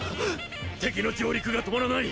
敵の上陸が止まらない。